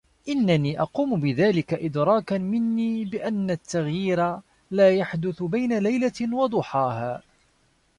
إنني أقوم بذلك إدراكا مني بأن التغيير لا يحدث بين ليلة وضحاها.